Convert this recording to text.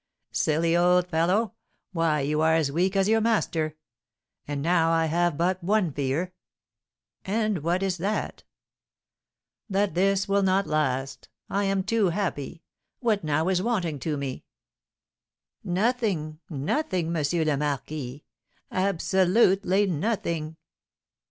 "Silly old fellow! Why you are as weak as your master. And now I have but one fear." "And what is that?" "That this will not last; I am too happy. What now is wanting to me?" "Nothing, nothing, M. le Marquis, absolutely nothing."